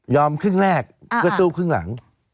ยอมครึ่งแรกก็ตู้ครึ่งหลัง